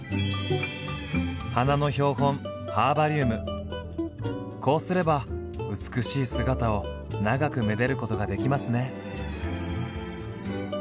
花の標本こうすれば美しい姿を長くめでることができますね。